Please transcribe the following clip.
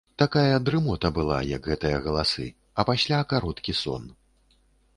Такая дрымота была, як гэтыя галасы, а пасля кароткі сон.